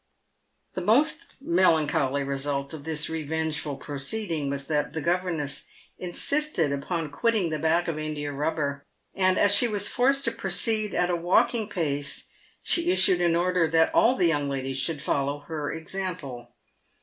The most melancholy result of this revengeful proceeding was that the governess insisted upon quitting the back of India Eubber, and as she was forced to proceed at a walking pace, she issued an order that all the young ladies should follow her example.